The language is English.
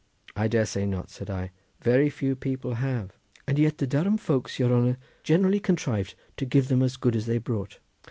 "I dare say not," said I; "very few people have." "And yet the Durham folks, your honour, generally contrived to give them as good as they brought."